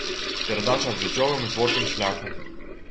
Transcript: Перадача аб жыццёвым і творчым шляху.